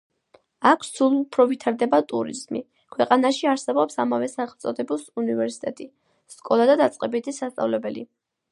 აქ სულ უფრო ვითარდება ტურიზმი, ქვეყანაში არსებობს ამავე სახელწოდების უნივერსიტეტი, სკოლა და დაწყებითი სასწავლებელი.